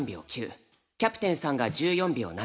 キャプテンさんが１４秒７。